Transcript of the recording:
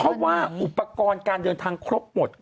เพราะว่าอุปกรณ์การเดินทางครบหมด